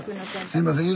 すいません。